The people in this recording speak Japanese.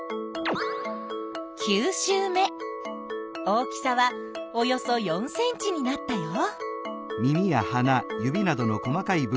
大きさはおよそ４ｃｍになったよ。